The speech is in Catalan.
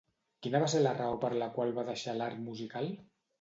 Quina va ser la raó per la qual va deixar l'art musical?